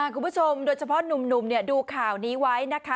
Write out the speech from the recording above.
คุณผู้ชมโดยเฉพาะหนุ่มดูข่าวนี้ไว้นะคะ